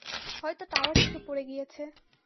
হয়তো টাওয়ার থেকে পড়ে গিয়েছে।